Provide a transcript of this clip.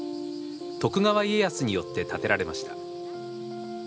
徳川家康によって建てられました。